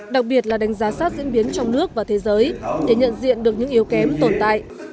đặc biệt là đánh giá sát diễn biến trong nước và thế giới để nhận diện được những yếu kém tồn tại